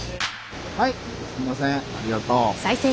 はいありがとう。